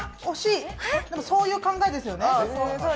そういう考えですよね。